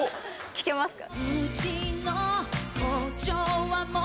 聴けますか？